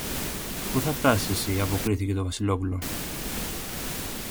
που θα φτιάσεις εσύ, αποκρίθηκε το Βασιλόπουλο.